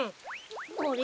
あれ？